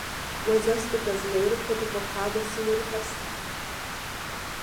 O exército brasileiro foi convocado a se manifestar